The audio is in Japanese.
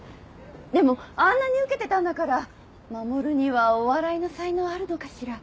でもあんなにウケてたんだから守にはお笑いの才能あるのかしら？